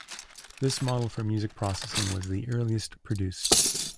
This model for music processing was the earliest produced.